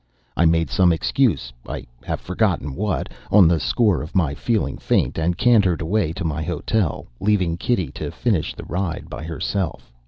I made some excuse (I have forgotten what) on the score of my feeling faint; and cantered away to my hotel, leaving Kitty to finish the ride by herself.